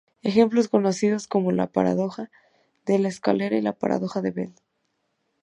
Ejemplos conocidos son la paradoja de la escalera y la paradoja de Bell.